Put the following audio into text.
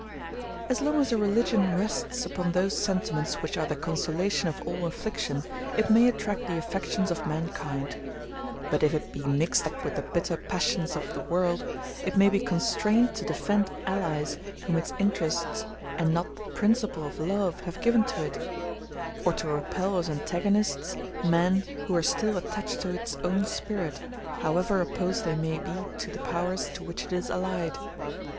As long as a religion rests upon those sentiments which are the consolation of all affliction, it may attract the affections of mankind. But if it be mixed up with the bitter passions of the world, it may be constrained to defend allies whom its interests, and not the principle of love, have given to it; or to repel as antagonists men who are still attached to its own spirit, however opposed they may be to the powers to which it is allied.